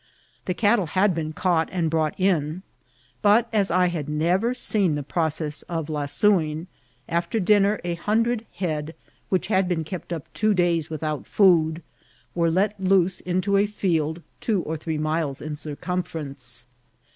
The cattle had been caught and brought in ; but, as I had never seen the process of laaoing, after dinner a hun* LAIOINO. 907 cbed hemd, which had been kept up two days without food, were let loose into a field two or three miles in circumference.